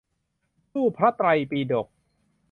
ตู้พระไตรปิฎก